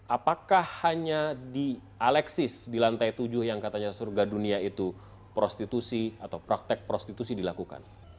apakah hanya di alexis di lantai tujuh yang katanya surga dunia itu prostitusi atau praktek prostitusi dilakukan